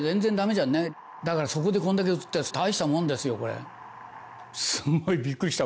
だからそこでこんだけ映った大したもんですよこれ。